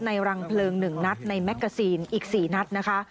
ในรังเพลิง๑นัตรในแม็กเกอร์ซีนอีก๔นัตรนะคะ